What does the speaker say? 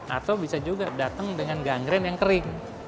atau bisa juga datang dengan gangren yang kering